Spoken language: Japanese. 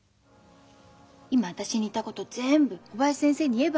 今私に言ったこと全部小林先生に言えばいいのよ。